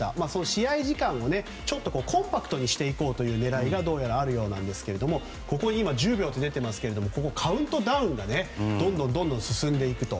試合時間をコンパクトにしていこうという狙いが、どうやらあるみたいなんですけどもここに今１０秒と出ていますけれどもカウントダウンがどんどん進んでいくと。